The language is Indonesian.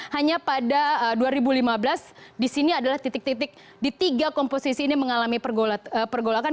hanya pada dua ribu lima belas di sini adalah titik titik di tiga komposisi ini mengalami pergolakan